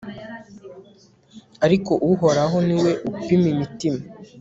ariko uhoraho ni we upima imitima